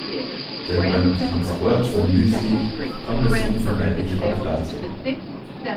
Denn beim Transport von Müsli kommt es unvermeidlich auch dazu.